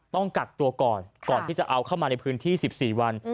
ต้องกักตัวก่อนก่อนที่จะเอาเข้ามาในพื้นที่๑๔วัน